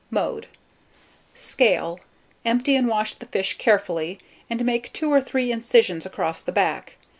Mode. Scale, empty and wash the fish carefully, and make two or three incisions across the back.